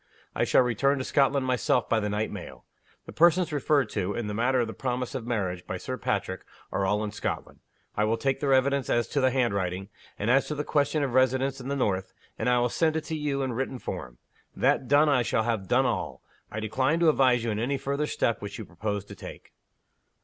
I shall return to Scotland myself by the night mail. The persons referred to, in the matter of the promise of marriage, by Sir Patrick, are all in Scotland. I will take their evidence as to the handwriting, and as to the question of residence in the North and I will send it to you in written form. That done, I shall have done all. I decline to advise you in any future step which you propose to take."